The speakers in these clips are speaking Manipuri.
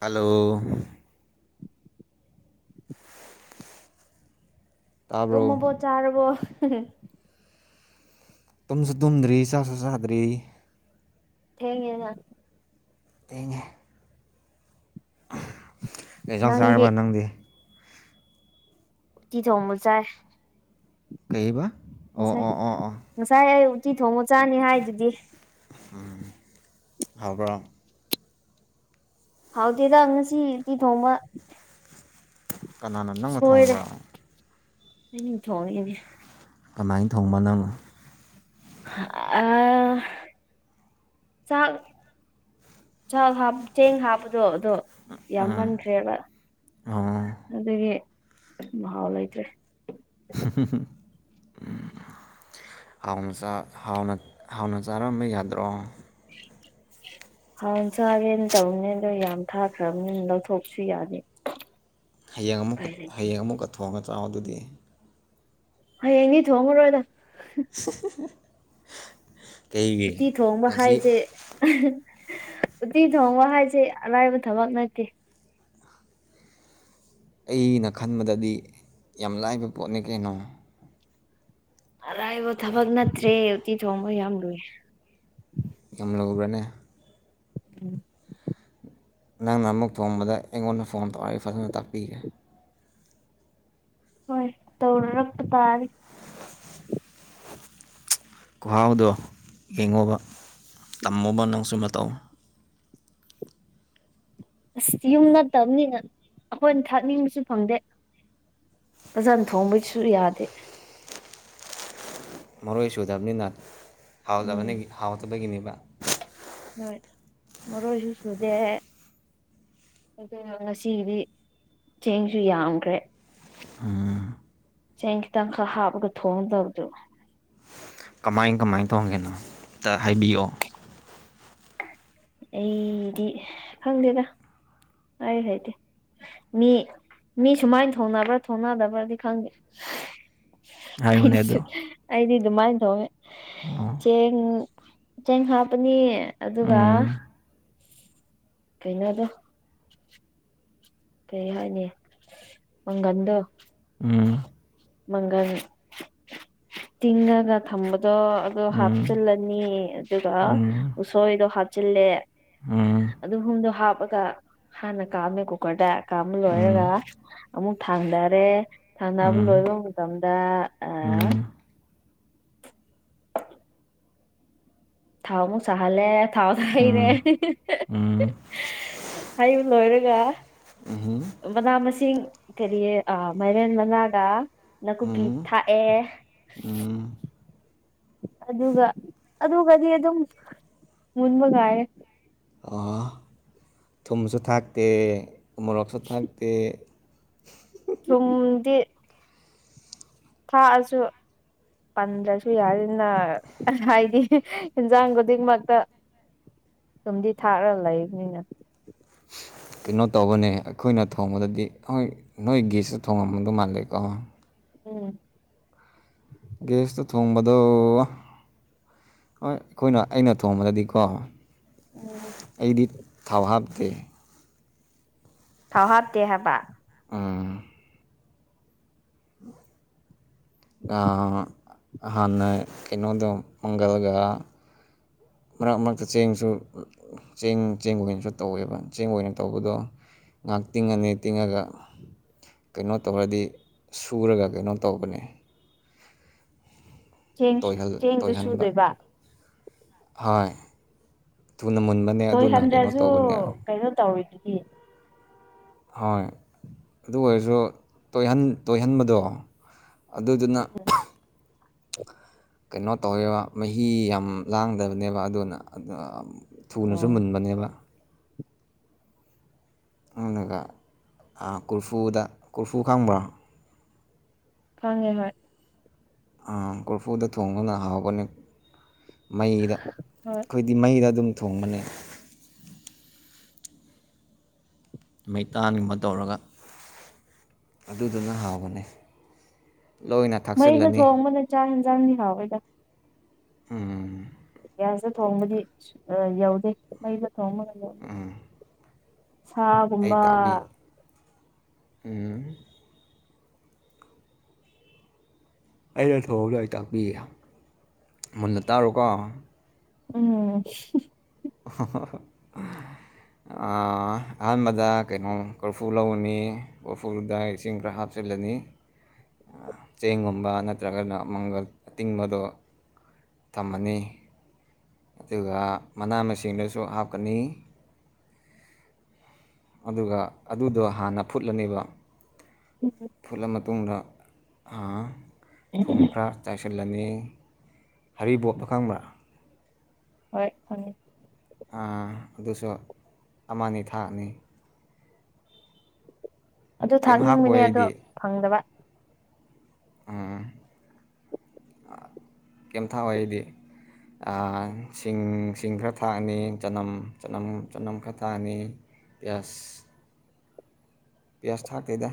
ꯍꯜꯂꯣ ꯇꯥꯕ꯭ꯔꯣ ꯇꯨꯝꯃꯕꯣ ꯆꯥꯔꯕꯣ ꯇꯨꯝꯁꯨ ꯇꯨꯝꯗ꯭ꯔꯤ ꯆꯥꯁꯨ ꯆꯥꯗ꯭ꯔꯤ ꯊꯦꯡꯉꯦꯅ ꯊꯦꯡꯉꯦ ꯀꯩ ꯖꯥꯡ ꯆꯥꯔꯕ ꯅꯪꯗꯤ ꯇꯤ ꯊꯣꯡꯕ ꯆꯥꯏ ꯀꯩꯕ ꯑꯣ ꯑꯣ ꯉꯁꯥꯏ ꯑꯣ ꯑꯣꯥ ꯉꯁꯥꯏ ꯑꯩ ꯎꯇꯤ ꯊꯣꯡꯕ ꯆꯥꯅꯤ ꯍꯥꯏꯗꯨꯗꯤ ꯍꯝ ꯍꯥꯎꯕ꯭ꯔ ꯍꯥꯎꯇꯦꯗ ꯉꯁꯤ ꯎꯇꯤ ꯊꯣꯡꯕ ꯀꯅꯥꯅ ꯅꯪꯅ ꯁꯣꯏꯔꯦ ꯊꯣꯡꯕ꯭ꯔ ꯑꯩꯅ ꯊꯣꯡꯉꯤꯅꯤ ꯀꯃꯥꯏꯟ ꯊꯣꯡꯕ ꯅꯪ ꯍꯥꯑꯥ ꯆꯥꯛ ꯆꯥꯛ ꯍꯥꯞ ꯆꯦꯡ ꯍꯥꯞꯄꯗꯣ ꯗꯣ ꯌꯥꯝꯃꯟꯈ꯭ꯔꯦꯕ ꯑꯣ ꯑꯗꯨꯒꯤ ꯃꯍꯥꯎ ꯂꯩꯇ꯭ꯔꯦ [unintelligible] ꯍꯥꯎꯅ ꯆꯥ ꯍꯥꯎꯅ ꯍꯥꯎꯅ ꯆꯥꯔꯝꯕ ꯌꯥꯗ꯭ꯔꯣ ꯍꯥꯎꯅ ꯆꯥꯒꯦꯅ ꯇꯧꯅꯦ ꯑꯗꯣ ꯌꯥꯝ ꯊꯥꯈ꯭ꯔꯝꯅꯤꯅ ꯂꯧꯊꯣꯛꯁꯨ ꯌꯥꯗꯦ ꯍꯌꯦꯡ ꯑꯃꯨꯛꯀ ꯎꯄꯥꯏ ꯂꯩꯇꯦ ꯍꯌꯦꯡ ꯑꯃꯨꯛꯀ ꯊꯣꯡꯉ ꯆꯥꯎ ꯑꯗꯨꯗꯤ ꯍꯌꯦꯡꯗꯤ ꯊꯣꯡꯉꯔꯣꯏꯗ [unintelligible] ꯎꯠꯇꯤ ꯊꯣꯡꯕ ꯉꯁꯤ ꯍꯥꯏꯖꯦ ꯑꯥꯍꯥ ꯎꯠꯇꯤ ꯊꯣꯡꯕ ꯍꯥꯏꯁꯦ ꯑꯔꯥꯏꯕ ꯊꯕꯛ ꯅꯠꯇꯦ ꯑꯩꯅ ꯈꯟꯕꯗꯗꯤ ꯌꯥꯝ ꯂꯥꯏꯕ ꯄꯣꯠꯅꯤ ꯀꯩꯅꯣ ꯑꯔꯥꯏꯕ ꯊꯕꯛ ꯅꯠꯇ꯭ꯔꯦ ꯎꯇꯤ ꯊꯣꯡꯕ ꯌꯥꯝ ꯂꯨꯏ ꯌꯥꯝ ꯂꯧꯕ꯭ꯔꯅꯦ ꯎꯝ ꯅꯪꯅ ꯑꯃꯨꯛ ꯊꯣꯡꯕꯗ ꯑꯩꯉꯣꯟꯗ ꯐꯣꯟ ꯇꯧꯔ ꯑꯩ ꯐꯖꯅ ꯇꯥꯛꯄꯤꯒꯦ ꯍꯣꯏ ꯇꯧꯔꯔꯛꯄ ꯇꯥꯔꯤ ꯈꯨꯍꯥꯎꯗꯣ ꯌꯦꯡꯉꯣꯕ ꯇꯝꯃꯣꯕ ꯅꯪꯁꯨ ꯃꯇꯧ ꯑꯁ ꯌꯨꯝ ꯅꯠꯇꯕꯅꯤꯅ ꯑꯈꯣꯏꯅ ꯊꯥꯛꯅꯤꯡꯕꯁꯨ ꯐꯪꯗꯦ ꯐꯖꯅ ꯊꯣꯡꯕꯩꯁꯨ ꯌꯥꯗꯦ ꯃꯔꯣꯏ ꯁꯨꯗꯕꯅꯤꯅ ꯎꯝ ꯍꯥꯎꯇꯕꯅꯦꯒꯤ ꯍꯥꯎꯇꯕꯒꯤꯅꯦꯕ ꯍꯣꯏ ꯃꯔꯣꯏꯁꯨ ꯁꯨꯗꯦ ꯑꯗꯨꯅ ꯉꯁꯤꯒꯤꯗꯤ ꯆꯦꯡꯁꯨ ꯌꯥꯝꯈ꯭ꯔꯦ ꯆꯦꯡ ꯈꯤꯇꯪꯈꯛ ꯍꯥꯞꯄꯒ ꯊꯣꯡꯒꯗꯧꯕꯗꯨ ꯀꯃꯥꯏꯟ ꯀꯃꯥꯏꯟ ꯇꯣꯡꯉꯤꯅꯣ ꯑꯝꯇ ꯍꯥꯏꯕꯤꯌꯣ ꯑꯩꯗꯤ ꯈꯪꯗꯦꯗ ꯍꯥꯏ ꯍꯩꯇꯦ ꯃꯤ ꯃꯤ ꯁꯨꯃꯥꯏꯟ ꯊꯣꯡꯅꯕ꯭ꯔꯥ ꯊꯣꯡꯅꯗꯕ꯭ꯔꯗꯤ ꯈꯪꯗꯦ ꯍꯥꯏꯌꯨꯅꯦ ꯑꯗꯣ ꯑꯩꯗꯤꯁꯨꯛ ꯑꯩꯗꯤ ꯑꯗꯨꯃꯥꯏꯟ ꯊꯣꯡꯉꯦ ꯑꯣ ꯆꯦꯡ ꯆꯦꯡ ꯍꯥꯞꯄꯅꯤ ꯑꯗꯨꯒ ꯎꯝ ꯀꯩꯅꯣꯗꯣ ꯀꯩ ꯍꯥꯏꯅꯤ ꯃꯪꯒꯟꯗꯣ ꯎꯝ ꯃꯪꯒꯟ ꯇꯤꯡꯉꯒ ꯊꯝꯕꯗꯣ ꯑꯗꯨ ꯎꯝ ꯍꯥꯞꯆꯤꯜꯂ ꯅꯤ ꯑꯗꯨꯒ ꯎꯝ ꯎꯁꯣꯏꯗꯣ ꯍꯥꯞꯆꯤꯜꯂꯦ ꯎꯝ ꯑꯗꯨ ꯍꯨꯝꯗꯣ ꯍꯥꯞꯄꯒ ꯍꯥꯟꯅ ꯀꯥꯝꯃꯦ ꯀꯨꯀꯔꯗ ꯀꯥꯝꯕ ꯎꯝ ꯂꯣꯏꯔꯒ ꯑꯃꯨꯛ ꯊꯥꯡꯗꯔꯦ ꯊꯥꯡꯗꯕ ꯂꯣꯏꯕ ꯃꯇꯝꯗ ꯎꯝ ꯑꯥ ꯎꯝ ꯊꯥꯎ ꯑꯃꯨꯛ ꯁꯥꯍꯜꯂꯦ ꯊꯥꯎꯗꯣ ꯍꯩꯔꯦ ꯎꯝ ꯎꯝ ꯍꯩꯕ ꯂꯣꯏꯔꯒ ꯎꯝꯍꯨꯝ ꯃꯅꯥ ꯃꯁꯤꯡ ꯀꯔꯤ ꯑ ꯃꯥꯏꯔꯦꯟ ꯃꯅꯥꯒ ꯅꯥꯀꯨꯞꯄꯤ ꯎꯝ ꯊꯥꯛꯑꯦ ꯎꯝ ꯑꯗꯨꯒ ꯑꯗꯨꯒꯗꯤ ꯑꯗꯨꯝ ꯃꯨꯟꯕ ꯉꯥꯏꯔꯦ ꯑꯣ ꯊꯨꯝꯁꯨ ꯊꯥꯛꯇꯦ ꯎꯃꯣꯔꯣꯛꯁꯨ ꯊꯥꯛꯇꯦ ꯊꯨꯝꯗꯤ ꯊꯥꯛꯑꯁꯨ ꯄꯟꯗ꯭ꯔꯁꯨ ꯌꯥꯔꯦꯗꯅ ꯍꯥꯏꯗꯤ ꯏꯟꯖꯥꯡ ꯈꯨꯗꯤꯡꯃꯛꯇ ꯊꯨꯝꯗꯤ ꯊꯥꯛꯔ ꯂꯩꯕꯅꯤꯅ ꯀꯩꯅꯣ ꯇꯧꯕꯅꯦ ꯑꯩꯈꯣꯏꯅ ꯊꯣꯡꯕꯗꯗꯤ ꯍꯣꯏ ꯅꯣꯏ ꯒꯤꯁꯁꯨ ꯊꯣꯡꯉꯝꯒꯗ ꯃꯥꯜꯂꯦꯀꯣ ꯎꯝ ꯒꯦꯁꯇ ꯊꯣꯡꯕꯗꯣ ꯍꯣꯏ ꯑꯩꯈꯣꯏꯅ ꯑꯩꯅ ꯊꯣꯡꯕꯗꯗꯤꯀꯣ ꯎꯝ ꯑꯩꯗꯤ ꯊꯥꯎ ꯍꯥꯞꯇꯦ ꯊꯥꯎ ꯍꯥꯞꯇꯦ ꯍꯥꯏꯕ ꯎꯝ ꯑꯥ ꯍꯥꯟꯅꯥ ꯀꯩꯅꯣꯗꯣ ꯃꯪꯒꯜꯒ ꯃꯔꯛ ꯃꯔꯛꯇ ꯆꯦꯡꯁꯨ ꯆꯦꯡ ꯆꯦꯡ ꯑꯣꯏꯅꯁꯨ ꯇꯧꯋꯦꯕ ꯆꯦꯡ ꯑꯣꯏꯅ ꯇꯧꯕꯗꯣ ꯉꯍꯥꯛ ꯇꯤꯡꯉꯅꯤ ꯇꯤꯡꯉꯒ ꯀꯩꯅꯣ ꯇꯧꯔꯗꯤ ꯁꯨꯔꯒ ꯀꯩꯅꯣ ꯇꯧꯕꯅꯦ ꯆꯦꯡ ꯆꯦꯡꯁꯨ ꯇꯣꯏꯍꯟꯕ ꯁꯨꯗꯣꯏꯕ ꯍꯣꯏ ꯇꯨꯅꯃꯨꯟꯕ ꯇꯣꯏꯍꯟꯗ꯭ꯔꯁꯨ ꯀꯩꯅꯣ ꯇꯧꯔꯤꯗꯨꯗꯤ ꯍꯣꯏ ꯑꯗꯨ ꯑꯣꯏꯔꯁꯨ ꯆꯣꯢꯍꯟ ꯇꯣꯏꯍꯟꯕꯗꯣ ꯑꯗꯨꯗꯨꯅ ꯀꯩꯅꯣ ꯇꯧꯋꯦꯕ ꯃꯍꯤ ꯌꯥꯝ ꯂꯥꯡꯗꯕꯅꯦꯕ ꯑꯗꯨꯅ ꯑꯝ ꯊꯨꯅꯁꯨ ꯑꯣ ꯃꯨꯟꯕꯅꯦꯕ ꯃꯨꯟꯅꯒ ꯑꯥ ꯀꯣꯔꯐꯨꯗ ꯀꯣꯔꯐꯨ ꯈꯪꯕ꯭ꯔꯥ ꯈꯪꯉꯦ ꯍꯣꯏ ꯑꯥ ꯀꯣꯔꯐꯨꯗ ꯊꯣꯡꯕꯅ ꯍꯥꯎꯒꯅꯤ ꯃꯩꯗ ꯍꯣꯏ ꯏꯃꯩꯗ ꯑꯗꯨꯝ ꯊꯣꯡꯕꯅꯦ ꯃꯩꯇꯥꯟꯒꯨꯝꯕ ꯇꯧꯔꯒ ꯑꯗꯨꯗꯨꯅ ꯍꯥꯎꯕꯅꯦ ꯂꯣꯏꯅ ꯃꯩꯩꯗ ꯊꯥꯛꯆꯤꯜꯂꯅꯤ ꯊꯣꯡꯕꯅ ꯆꯥꯛ ꯌꯦꯟꯖꯥꯡꯗꯤ ꯍꯥꯎꯋꯦꯗ ꯎꯝ ꯒ꯭ꯌꯥꯁꯇ ꯊꯣꯡꯕꯗꯤ ꯑꯥ ꯌꯧꯗꯦ ꯃꯩꯗ ꯊꯣꯡꯕꯅ ꯑꯩ ꯇꯥꯎꯕꯤ ꯍꯨꯝ ꯑꯩꯅ ꯊꯣꯡꯕꯗꯣ ꯑꯩ ꯇꯥꯛꯄꯤꯒꯦ ꯃꯨꯟꯅ ꯇꯥꯔꯣꯀꯣ ꯎꯝ ꯑꯥ ꯑꯍꯥꯟꯕꯗ ꯀꯩꯅꯣ ꯀꯣꯔꯐꯨ ꯂꯧꯔꯅꯤ ꯀꯣꯔꯐꯨꯗ ꯏꯁꯤꯡ ꯈꯔ ꯍꯥꯞꯆꯤꯜꯂꯅꯤ [inaudible] ꯑꯥ ꯆꯦꯡꯒꯨꯝꯕ ꯅꯠꯇ꯭ꯔꯒꯅ ꯃꯪꯒꯜ ꯑꯇꯤꯡꯕꯗꯣ ꯊꯝꯃꯅꯤ ꯑꯗꯨꯒ ꯃꯅꯥ ꯃꯁꯤꯡꯗꯁꯨ ꯍꯥꯞꯀꯅꯤ ꯑꯗꯨꯒ ꯑꯗꯨꯗꯣ ꯍꯥꯟꯅ ꯐꯨꯠꯂꯅꯤꯕ [inaudible] ꯐꯨꯠꯂ ꯃꯇꯨꯡꯗ ꯍꯥ ꯊꯨꯝ ꯈꯔ ꯆꯥꯏꯁꯤꯜꯂꯅꯤ ꯍꯔꯤꯕꯣꯞꯇꯣ ꯈꯪꯕ꯭ꯔꯥ ꯍꯣꯏ ꯈꯪꯉꯦ ꯑꯥ ꯑꯗꯨꯁꯨ ꯑꯃꯅꯤ ꯊꯥꯛꯅꯤ ꯑꯗꯨ ꯀꯩꯝ ꯍꯥꯞꯄꯣꯏ ꯊꯥꯛꯅꯤꯡꯕꯅꯦ ꯑꯗꯣ ꯑꯩꯗꯤ ꯐꯪꯗꯕ ꯎꯝ ꯑꯥ ꯀꯩꯝ ꯊꯥꯑꯣꯏ ꯑꯩꯗꯤ ꯑꯪ ꯁꯤꯡ ꯁꯤꯡ ꯈꯔ ꯊꯥꯛꯑꯅꯤ ꯆꯅꯝ ꯆꯅꯝ ꯆꯅꯝ ꯈꯔ ꯊꯥꯛꯑꯅꯤ ꯄꯤꯌꯥꯁ ꯄꯤꯌꯥꯁ ꯊꯥꯛꯇꯦꯗ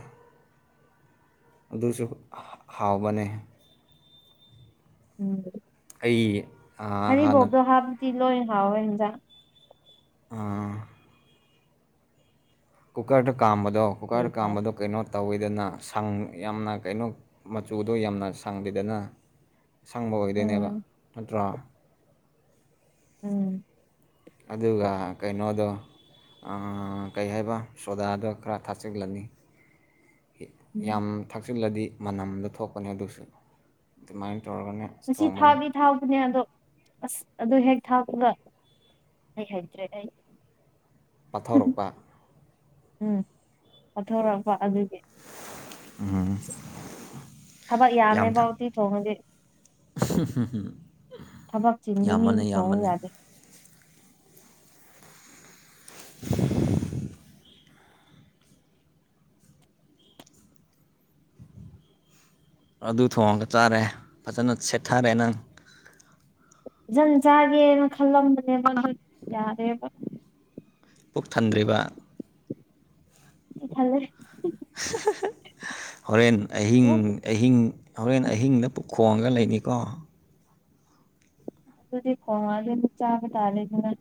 ꯑꯗꯨꯖꯨ ꯍꯥ ꯍꯥꯥꯎꯕꯅꯦ ꯎꯝ ꯑꯩ ꯑꯥ ꯍꯥꯟꯅ ꯍꯔꯤꯕꯣꯞꯇꯣ ꯍꯥꯞꯄꯇꯤ ꯂꯣꯏꯅ ꯍꯥꯎꯋꯦ ꯍꯦꯟꯖꯥꯡ ꯑꯥ ꯀꯨꯀꯔꯗ ꯀꯥꯝꯕꯗꯣ ꯀꯩ ꯀꯨꯀꯔꯗ ꯊꯥꯎ ꯀꯥꯝꯕꯗꯣ ꯀꯩꯅꯣ ꯇꯧꯋꯤꯗꯅ ꯁꯪ ꯌꯥꯝꯅ ꯀꯩꯅꯣ ꯃꯆꯨꯗꯣ ꯌꯥꯝꯅ ꯁꯪꯂꯤꯗꯅ ꯑꯁꯪꯕ ꯑꯣꯏꯗꯣꯏꯅꯦꯕ ꯎꯝ ꯅꯠꯇ꯭ꯔꯣ ꯎꯝ ꯑꯗꯨꯒ ꯀꯩꯅꯣꯗꯣ ꯑꯥ ꯀꯩ ꯍꯥꯏꯕ ꯁꯣꯗꯥꯗꯣ ꯈꯔ ꯊꯥꯛꯆꯤꯜꯂꯅꯤ ꯎꯝ ꯌꯥꯝ ꯊꯥꯛꯆꯤꯜꯂꯗꯤ ꯃꯅꯝꯗꯣ ꯊꯣꯛꯄꯅꯦ ꯑꯗꯨꯁꯨ ꯑꯗꯨꯃꯥꯏꯟ ꯇꯧꯔꯒꯅꯦ ꯉꯁꯤ ꯊꯣꯡꯕꯅꯦ ꯊꯥꯕꯗꯤ ꯊꯥꯎꯕꯅꯦ ꯑꯗꯣ ꯑꯁ ꯑꯗꯨ ꯍꯦꯛ ꯊꯥꯛꯄꯒ ꯑꯩ ꯍꯩꯇ꯭ꯔꯦ ꯑꯩ ꯄꯥꯊꯣꯔꯛꯄ ꯎꯝ ꯄꯥꯊꯣꯔꯛꯄ ꯑꯗꯨꯒꯤ ꯎꯝ ꯊꯕꯛ ꯌꯥꯝ ꯌꯥꯝꯃꯦꯕ ꯊꯛ ꯎꯇꯤ ꯊꯣꯡꯉꯗꯤ [unintelligible] ꯊꯕꯛ ꯆꯤꯟꯕ ꯃꯤ ꯌꯥꯝꯕꯅꯦ ꯊꯣꯡꯉꯨ ꯌꯥꯝꯕꯅꯦ ꯌꯥꯗꯦ [inaudible] ꯑꯗꯨ ꯊꯣꯡꯉꯒ ꯆꯥꯔꯦ ꯐꯖꯅ ꯁꯦꯠꯊꯔꯦ ꯅꯪ ꯖꯟ ꯆꯥꯒꯦꯅ ꯈꯜꯂꯝꯕꯅꯦꯕ [inaudible] ꯌꯥꯔꯦꯕ ꯄꯨꯛ ꯊꯟꯗ꯭ꯔꯤꯕ ꯊꯜꯂꯦ [unintelligible] ꯍꯣꯔꯦꯟ ꯑꯍꯤꯡ ꯑꯣ ꯑꯍꯤꯡ ꯍꯣꯔꯦꯟ ꯑꯍꯤꯡꯗ ꯄꯨꯛ ꯈꯣꯡꯉꯒ ꯂꯩꯅꯤꯀꯣ ꯑꯗꯨꯗꯤ ꯈꯣꯡꯉꯥꯗꯤ ꯑꯃꯨꯛ ꯆꯥꯕ ꯇꯥꯔꯦꯗꯅ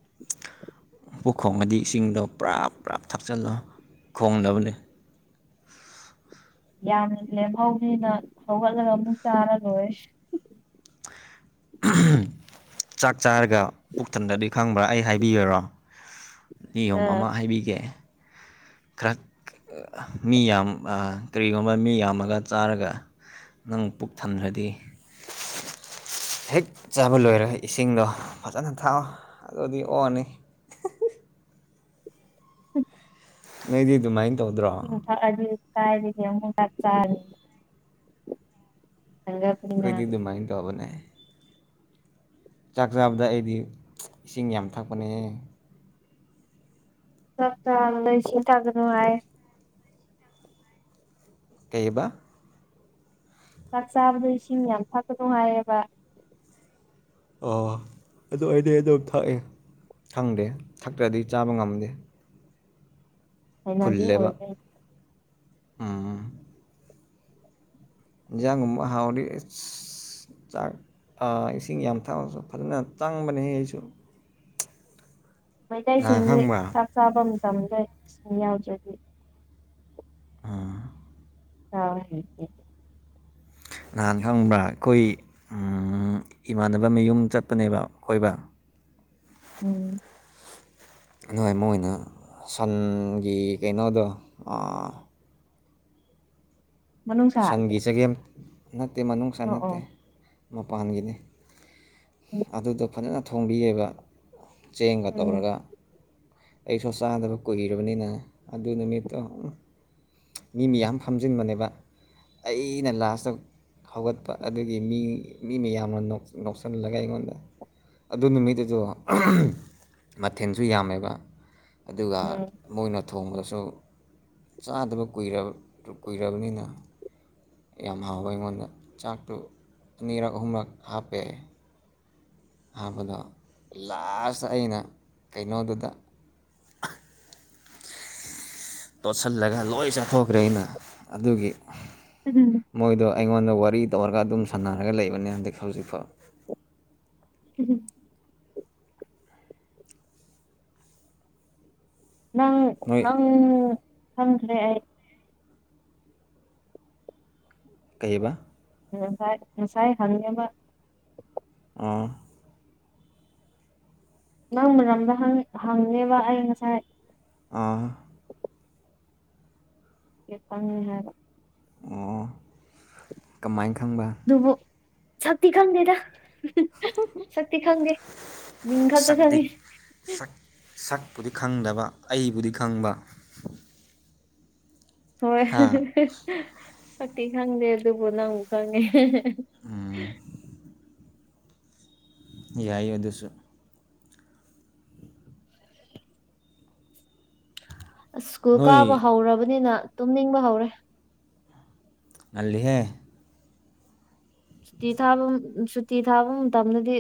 ꯄꯨꯛ ꯈꯣꯡꯉꯗꯤ ꯏꯁꯤꯡꯗꯣ ꯄ꯭ꯔꯞ ꯄ꯭ꯔꯞ ꯊꯥꯛꯆꯜꯂꯣ ꯈꯣꯡꯗꯕꯅꯦ ꯌꯥꯝ ꯂꯦꯝꯍꯧꯅꯤꯅ ꯍꯧꯒꯠꯂꯒ ꯑꯃꯨꯛ ꯆꯥꯔ ꯂꯣꯏꯔꯦ ꯎꯍꯨꯝ ꯆꯥꯛ ꯆꯥꯔꯒ ꯄꯨꯛ ꯊꯟꯗ꯭ꯔꯗꯤ ꯈꯥꯡꯕ꯭ꯔꯥ ꯑꯩ ꯍꯥꯏꯕꯤꯌꯨꯔꯣ ꯑ ꯅꯤꯌꯣꯝ ꯑꯃ ꯍꯥꯏꯕꯤꯒꯦ ꯈꯔ ꯑ ꯃꯤ ꯌꯥꯝ ꯑ ꯀꯔꯤꯒꯨꯝꯕ ꯃꯤ ꯌꯥꯝꯃꯒ ꯆꯥꯔꯒ ꯅꯪ ꯄꯨꯛ ꯊꯟꯗ꯭ꯔꯗꯤ ꯍꯦꯛ ꯆꯥꯕ ꯂꯣꯏꯔꯒ ꯏꯁꯤꯡꯗꯣ ꯐꯖꯅ ꯊꯥꯛꯑꯣ ꯑꯗꯨꯒꯤ ꯑꯣꯛꯑꯅꯤ ꯅꯣꯏꯗꯤ ꯑꯗꯨꯃꯥꯏꯅ ꯇꯧꯗ꯭ꯔꯣ ꯏꯁꯤꯡ ꯊꯛꯑꯗꯤ ꯀꯥꯏꯗꯒꯤ ꯑꯃꯨꯛ ꯆꯥꯛ ꯆꯥꯅꯤ ꯑꯗꯨ ꯈꯣꯏꯗꯤ ꯑꯗꯨꯃꯥꯏꯅ ꯇꯧꯕꯅꯦ ꯆꯥꯛ ꯆꯥꯕꯗ ꯑꯩꯗꯤ ꯏꯁꯤꯡ ꯌꯥꯝ ꯊꯛꯄꯅꯦꯍꯦ ꯆꯥꯛ ꯆꯥꯕꯗ ꯏꯁꯤꯡ ꯊꯛꯀꯅꯨ ꯍꯥꯏ ꯀꯩꯕ ꯆꯥꯛ ꯆꯥꯕꯗ ꯏꯁꯤꯡ ꯌꯥꯝ ꯊꯛꯀꯅꯨ ꯍꯥꯏꯌꯦꯕ ꯑꯣ ꯑꯗꯨ ꯑꯩꯏꯗꯤ ꯑꯗꯨꯝ ꯊꯛꯑꯦ ꯈꯪꯗꯦ ꯊꯛꯇ꯭ꯔꯗꯤ ꯆꯥꯕ ꯉꯝꯗꯦ ꯍꯩꯅꯕꯤ ꯐꯨꯜꯂꯦꯕ ꯑꯣꯏꯕꯩ ꯎꯝ ꯍꯦꯟꯖꯥꯡꯒꯨꯝꯕ ꯍꯥꯎꯔꯗꯤ ꯏꯁ ꯆꯥꯛ ꯑ ꯏꯁꯤꯡ ꯌꯥꯝ ꯊꯛꯑꯣꯁꯨ ꯐꯖꯅ ꯆꯪꯕꯅꯦꯍꯦ ꯑꯩꯁꯨ ꯅꯍꯥꯟ ꯃꯩꯇꯩꯁꯤꯡꯗꯤ ꯈꯪꯕ꯭ꯔꯥ [unintelligible] ꯆꯥꯛ ꯆꯥꯕ ꯃꯇꯝꯗ ꯏꯁꯤꯡ ꯌꯥꯎꯗ꯭ꯔꯗꯤ [unintelligible] [unintelligible] ꯅꯍꯥꯟ ꯈꯪꯕ꯭ꯔꯥ ꯑꯩꯈꯣꯏ ꯏꯃꯥꯟꯅꯕ ꯃꯌꯨꯝ ꯆꯠꯄꯅꯦꯕ ꯀꯣꯏꯕ ꯎꯝ ꯅꯣꯏ ꯃꯣꯏꯅ ꯁꯟꯒꯤ ꯀꯩꯅꯣꯗꯣ ꯑꯥ ꯃꯅꯨꯡꯁꯥ ꯁꯟꯒꯤ ꯆꯒꯦꯝ ꯅꯠꯇꯦ ꯃꯅꯨꯡ ꯁꯥ ꯑꯣ ꯑꯣ ꯅꯠꯇꯦ ꯃꯄꯥꯟꯒꯤꯅꯤ ꯑꯗꯨꯗꯣ ꯐꯖꯅ ꯊꯣꯡꯕꯤꯌꯦꯕ ꯆꯦꯡꯒ ꯎꯝ ꯇꯧꯔꯒ ꯑꯩꯁꯨ ꯆꯥꯗꯕ ꯀꯨꯏꯔꯕꯅꯤꯅ ꯑꯗꯨ ꯅꯨꯃꯤꯠꯇꯣ ꯎꯝ ꯃꯤ ꯃꯤꯌꯥꯝ ꯐꯝꯖꯤꯟꯕꯅꯦꯕ ꯑꯩꯅ ꯂꯥꯁꯇ ꯍꯧꯒꯠꯄ ꯑꯗꯨꯒꯤ ꯃꯤ ꯃꯤ ꯃꯌꯥꯝꯅ ꯅꯣꯛ ꯅꯣꯛꯁꯜꯂꯒ ꯑꯩꯉꯣꯟꯗ ꯑꯗꯨ ꯅꯨꯃꯤꯠ ꯇꯨꯁꯨ ꯑꯍꯝ ꯍꯝ ꯃꯊꯦꯜꯁꯨ ꯌꯥꯝꯃꯦꯕ ꯑꯗꯨꯒ ꯎꯝ ꯃꯣꯏꯅ ꯊꯣꯡꯕꯁꯨ ꯇꯥꯗꯕ ꯀꯨꯏꯔ ꯀꯨꯏꯔꯕꯅꯤꯅ ꯌꯥꯝ ꯍꯥꯎꯋꯦ ꯑꯩꯉꯣꯟꯗ ꯆꯥꯛꯇꯨ ꯑꯅꯤꯔꯛ ꯑꯍꯨꯝꯔꯛ ꯍꯥꯞꯄꯦ ꯍꯥꯞꯄꯗꯣ ꯂꯥꯁꯇ ꯑꯩꯅ ꯀꯩꯅꯣꯗꯨꯗ [inaudible] ꯇꯣꯠꯁꯜꯂꯒ ꯂꯣꯏ ꯆꯥꯊꯣꯛꯈ꯭ꯔꯦ ꯑꯩꯅ ꯑꯗꯨꯒꯤ ꯍꯝ ꯎꯝ ꯃꯣꯏꯗꯣ ꯑꯩꯉꯣꯟꯗ ꯋꯥꯔꯤ ꯇꯧꯔꯒ ꯑꯗꯨꯝ ꯁꯥꯟꯅꯔꯒ ꯂꯩꯕꯅꯦ ꯍꯟꯗꯛ ꯍꯧꯖꯤꯛꯐꯥꯎ ꯍꯨꯝ ꯍꯨꯝ ꯅꯪ ꯅꯣꯏ ꯅꯪ ꯈꯪꯈ꯭ꯔꯦ ꯑꯩ ꯀꯩꯑꯕ ꯉꯁꯥꯏ ꯉꯁꯥꯏ ꯍꯪꯉꯦꯕ ꯑ ꯅꯪ ꯃꯔꯝꯗ ꯍꯪ ꯍꯪꯉꯦꯕ ꯑꯩ ꯉꯁꯥꯏ ꯑꯣ [unintelligible] ꯍꯥꯏꯕ ꯑꯣ ꯀꯃꯥꯏ ꯈꯪꯕ ꯑꯗꯨꯕꯨ ꯁꯛꯇꯤ ꯈꯪꯗꯦꯗ ꯁꯛꯇꯤ ꯈꯪꯗꯦ ꯃꯤꯡ ꯈꯛꯇ ꯁꯛꯗꯤ ꯈꯪꯉꯤ ꯁꯛ ꯁꯛꯄꯨꯗꯤ ꯈꯪꯗꯕ ꯑꯩꯕꯨꯗꯤ ꯈꯪꯕ ꯍꯣꯏ ꯍꯥ ꯁꯛꯇꯤ ꯈꯪꯗꯦ ꯑꯗꯨꯕꯨ ꯅꯪꯕꯨ ꯈꯪꯉꯦ ꯑꯝ ꯌꯥꯏ ꯑꯗꯨꯁꯨ ꯑꯁ ꯁ꯭ꯀꯨꯜ ꯀꯥꯕ ꯅꯣꯏ ꯍꯧꯔꯕꯅꯤꯅ ꯇꯨꯝꯅꯤꯡꯕ ꯍꯧꯔꯦ ꯇꯜꯂꯤꯍꯦ ꯁꯨꯇꯤ ꯊꯥꯕ ꯁꯨꯇꯤ ꯊꯥꯕ ꯃꯇꯝꯗꯗꯤ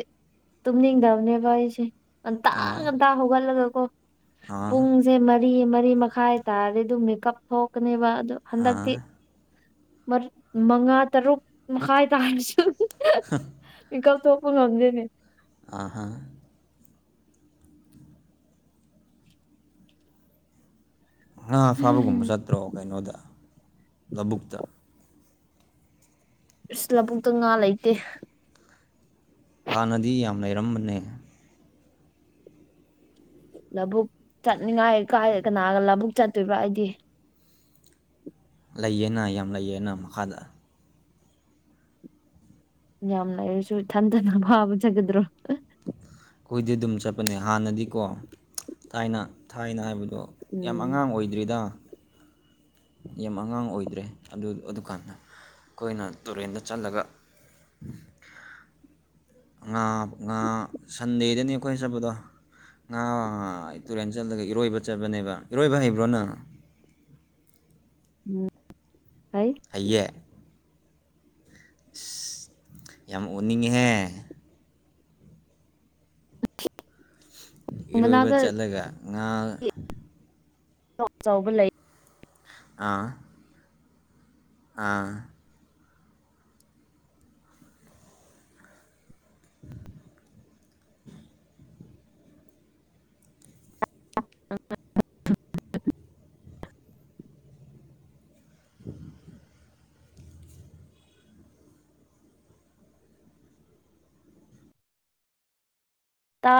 ꯇꯨꯝꯅꯤꯡꯗꯕꯅꯦꯕ ꯑꯩꯁꯦ ꯉꯟꯇ ꯑꯣ ꯉꯟꯇ ꯍꯧꯒꯠꯂꯒꯀꯣ ꯑꯥ ꯁꯦ ꯃꯔꯤ ꯃꯔꯤ ꯃꯈꯥꯏ ꯇꯥꯔꯗꯤ ꯑꯗꯨ ꯃꯦꯀꯞ ꯊꯣꯛꯀꯅꯦꯕ ꯑꯗꯨ ꯍꯟꯗꯛꯇꯤ ꯑꯥ ꯃꯔ ꯃꯉꯥ ꯇꯔꯨꯛ ꯃꯈꯥꯏ ꯇꯥꯔꯁꯨ ꯍꯥ ꯃꯤꯀꯞ ꯊꯣꯛꯄ ꯉꯝꯗꯦꯅꯦ ꯑꯍꯥ ꯉꯥ ꯐꯥꯕꯒꯨꯝꯕ ꯆꯠꯇ꯭ꯔꯣ ꯀꯩꯅꯣꯗ ꯂꯧꯕꯨꯛꯇ ꯏꯁ ꯂꯕꯨꯨꯛꯇ ꯉꯥ ꯂꯩꯇꯦ ꯍꯥꯟꯅꯗꯤ ꯌꯥꯝ ꯂꯩꯔꯝꯕꯅꯦ ꯂꯧꯕꯨꯛ ꯆꯠꯅꯤꯡꯉꯥꯏ ꯀꯥꯏ ꯀꯅꯥꯒ ꯂꯧꯕꯨꯛ ꯆꯠꯇꯣꯏꯕ ꯑꯩꯗꯤ ꯂꯩꯌꯦꯅ ꯌꯥꯝ ꯂꯩꯌꯦꯅ ꯃꯈꯥꯗ ꯌꯥꯝ ꯂꯩꯔꯁꯨ ꯏꯊꯟꯗꯅ ꯐꯥꯕ ꯆꯠꯀꯗ꯭ꯔꯣ ꯑꯩꯈꯣꯏꯗꯤ ꯑꯗꯨꯝ ꯆꯠꯄꯅꯦ ꯍꯥꯟꯅꯗꯤꯀꯣ ꯊꯥꯏꯅ ꯊꯥꯏꯅ ꯍꯥꯏꯕꯗꯣ ꯌꯥꯝ ꯎꯝ ꯑꯉꯥꯡ ꯑꯣꯏꯗ꯭ꯔꯤꯗ ꯌꯥꯝ ꯑꯉꯥꯡ ꯑꯣꯏꯗ꯭ꯔꯦ ꯑꯗꯨ ꯑꯗꯨꯀꯥꯟꯗ ꯑꯩꯈꯣꯏꯅ ꯇꯨꯔꯦꯟꯗ ꯆꯠꯂꯒ ꯉꯥ ꯉꯥ ꯁꯟꯗꯦꯗꯅꯤ ꯑꯩꯈꯣꯏꯅ ꯆꯠꯄꯗꯣ ꯉꯥ ꯇꯨꯔꯦꯟ ꯆꯠꯂꯒ ꯏꯔꯣꯏꯕ ꯆꯠꯄꯅꯦꯕ ꯏꯔꯣꯏꯕ ꯍꯩꯕ꯭ꯔꯣ ꯅꯪ ꯎꯝ ꯍꯩ ꯍꯩꯌꯦ ꯌꯥꯝ ꯎꯅꯤꯡꯉꯤꯍꯦ ꯏꯔꯣꯏꯕ ꯃꯅꯥꯛꯇ ꯆꯠꯂꯒ ꯉꯥ ꯆꯥꯎ ꯆꯥꯎꯕ ꯂꯩ ꯑꯥ ꯑꯥ [inaudible] [inaudible] ꯇꯥ